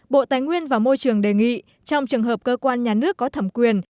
bộ tài nguyên và môi trường đề nghị trong trường hợp cơ quan nhà nước có thẩm quyền